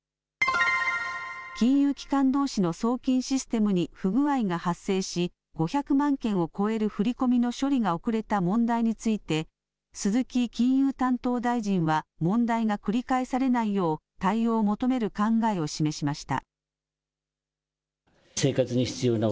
金融機関どうしの送金システムに不具合が発生し５００万件を超える振り込みの処理が遅れた問題について鈴木金融担当大臣は問題が繰り返されないよう対応を求める考えを示しました。